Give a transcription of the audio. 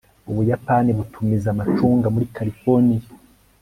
ubuyapani butumiza amacunga muri californiya